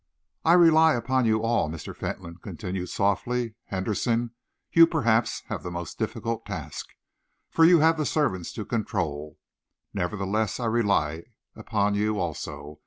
"I rely upon you all," Mr. Fentolin continued softly. "Henderson, you, perhaps, have the most difficult task, for you have the servants to control. Nevertheless, I rely upon you, also.